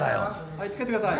はいつけてください。